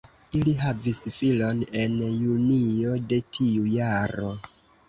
Ili havis filon en junio de tiu jaro.